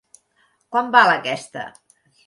Quant val aquesta...?